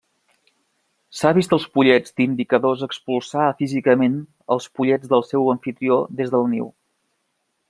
S'ha vist als pollets d'indicadors expulsar físicament els pollets del seu amfitrió des del niu.